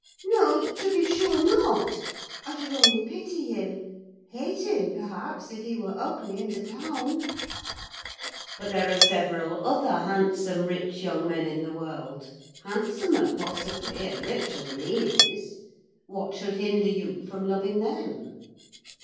"No, to be sure not: I should only pity him—hate him, perhaps, if he were ugly, and a clown." "But there are several other handsome, rich young men in the world: handsomer, possibly, and richer than he is. What should hinder you from loving them?"